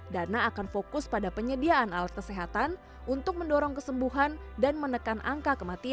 dana akan fokus pada penyediaan alat kesehatan untuk mendorong kesembuhan dan menekan angka kematian